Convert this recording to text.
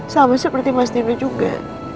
sama seperti mas dino juga